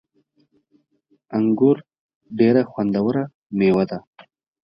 انګور ډیره خوندوره میوه ده